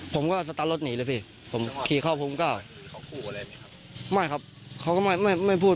ผมก็สตาร์ทรถหนีเลยพี่ผมขี่เข้าภูมิเก้าไม่ครับเขาก็ไม่ไม่ไม่พูด